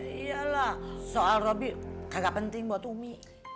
ya iyalah soal robi gak penting buat umi